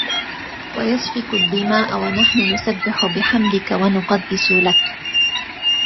وَيَسْفِكُ الدِّمَاءَ وَنَحْنُ نُسَبِّحُ بِحَمْدِكَ وَنُقَدِّسُ لَكَ ۖ